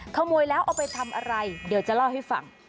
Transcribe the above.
ขโมยแล้วเอาไปทำอะไรเดี๋ยวจะเล่าให้ฟัง